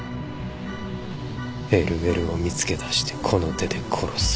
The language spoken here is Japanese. ＬＬを見つけだしてこの手で殺す。